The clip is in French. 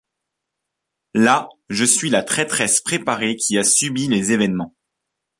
Là, je suis la traîtresse préparée qui a subi les événements.